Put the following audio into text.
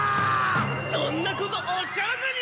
そんなことおっしゃらずに！